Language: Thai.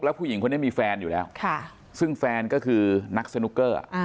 ผู้หญิงคนนี้มีแฟนอยู่แล้วซึ่งแฟนก็คือนักสนุกเกอร์